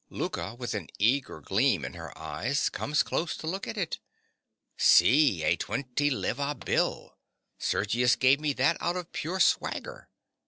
Louka, with an eager gleam in her eyes, comes close to look at it._) See, a twenty leva bill! Sergius gave me that out of pure swagger.